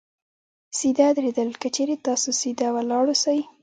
سیده درېدل : که چېرې تاسې سیده ولاړ اوسئ